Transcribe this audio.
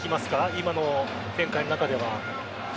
今の展開の中では。